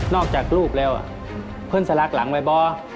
จากรูปแล้วเพื่อนสลักหลังไว้บ่